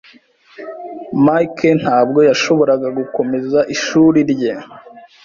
Mike ntabwo yashoboraga gukomeza ishuri rye